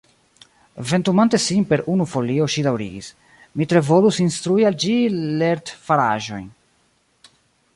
Ventumante sin per unu folio ŝi daŭrigis: "Mi tre volus instrui al ĝi lertfaraĵojn. »